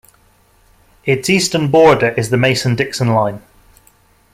Its eastern border is the Mason-Dixon line.